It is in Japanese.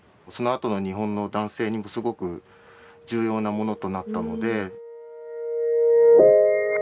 そのあとの日本の男性にすごく重要なものとなったので。